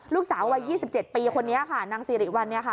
ลูกสาววัย๒๗ปีคนนี้ค่ะนางสิริวัลเนี่ยค่ะ